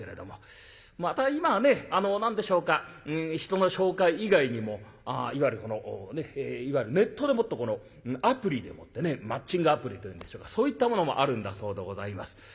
また今はねあの何でしょうか人の紹介以外にもいわゆるこのねいわゆるネットでもってこのアプリでもってねマッチングアプリというんでしょうかそういったものもあるんだそうでございます。